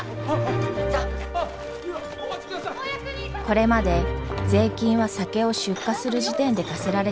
これまで税金は酒を出荷する時点で課せられていました。